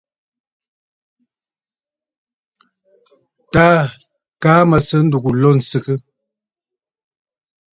Taà mə kaa mə̀ sɨ̌ ndúgú lô ǹsɨgə.